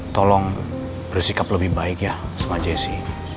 tolong bersikap lebih baik ya sama jessi